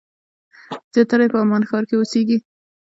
زیاتره یې په عمان ښار کې اوسېږي.